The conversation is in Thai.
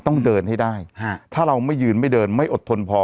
ต้องเดินให้ได้ถ้าเราไม่ยืนไม่เดินไม่อดทนพอ